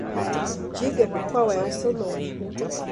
Diga-me qual é o seu nome.